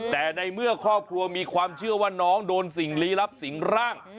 แต่ในเมื่อครอบครัวมีความเชื่อว่าน้องโดนสิ่งลี้ลับสิงร่าง